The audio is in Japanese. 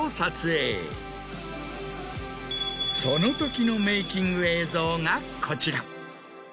そのときのメイキング映像がこちら。